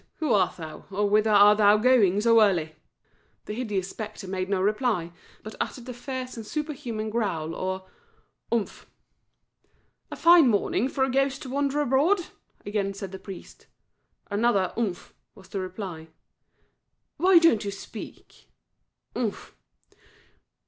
who art thou, or whither art thou going so early?" The hideous spectre made no reply, but uttered a fierce and superhuman growl, or "Umph." "A fine morning for ghosts to wander abroad," again said the priest. Another "Umph" was the reply. "Why don't you speak?" "Umph."